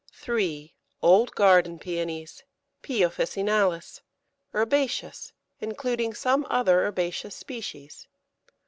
3. Old garden Pæonies (P. officinalis), herbaceous, including some other herbaceous species.